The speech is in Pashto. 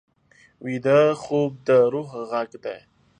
ویده خوب د روح غږ دی